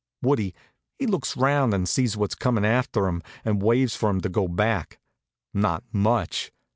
Woodie, he looks around and sees what's comin' after him, and waves for 'em to go back. Not much.